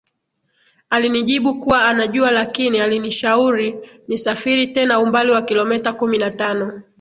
alinijibu kuwa anajua lakini alinishauri nisafiri tena umbali wa kilometa kumi na tano